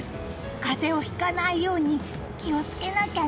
風邪をひかないように気をつけなきゃね。